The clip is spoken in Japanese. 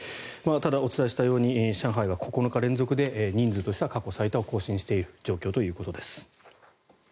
ただ、お伝えしたように上海は９日連続で人数としては過去最多を更新しているという状況です。